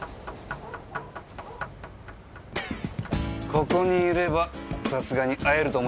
ここにいればさすがに会えると思いましてね。